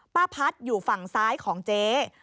ป้าพัดอยู่ฝั่งซ้ายของเจ๊